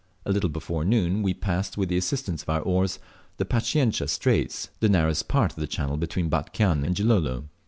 A little before noon we passed, with the assistance of our oars, the Paciencia Straits, the narrowest part of the channel between Batchian and Gilolo.